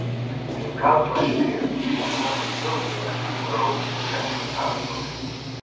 And if proud flesh appeared, the wound would still heal if it were opened and dressed with powder post.